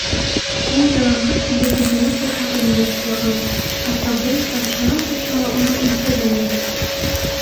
Ул яланғас сабыйҙы йылы ҡорһағы менән ҡаплаған, ә сабый тамшана-тамшана уның имсәген имә.